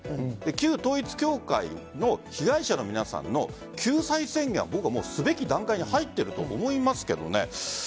旧統一教会の被害者の皆さんの救済制限をすべき段階に入っていると思いますけどね。